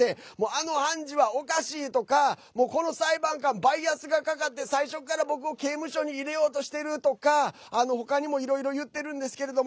あの判事はおかしい！とかこの裁判官はバイアスがかかって最初から僕を刑務所に入れようとしてるとか他にもいろいろ言ってるんですけど。